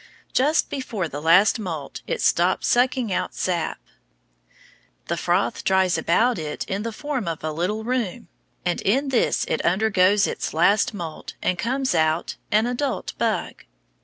Just before the last moult it stops sucking out sap. The froth dries about it in the form of a little room, and in this it undergoes its last moult and comes out an adult bug.